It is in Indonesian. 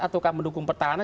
atau mendukung petahana